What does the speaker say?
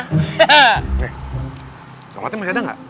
oke tomatnya masih ada nggak